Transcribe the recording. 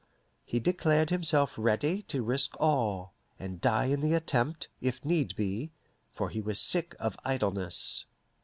He declared himself ready to risk all, and die in the attempt, if need be, for he was sick of idleness.